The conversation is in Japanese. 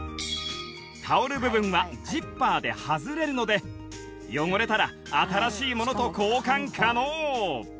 タオル部分はジッパーで外れるので汚れたら新しいものと交換可能